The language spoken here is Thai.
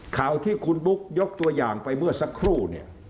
ข่าวที่คุณบุ๊กยกตัวอย่างไปเมื่อสักครู่เนี่ย